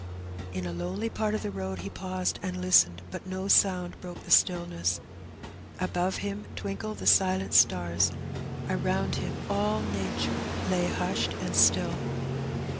In a lonely part of the road he paused and listened^ but no sound broke the stillness. Above him twinkled the silent stars; around him all nature lay hushed and still.